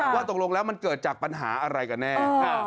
ว่าตกลงแล้วมันเกิดจากปัญหาอะไรกันแน่